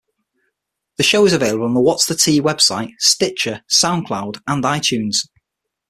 The show is available on the What's The Tee website, Stitcher, Soundcloud and iTunes.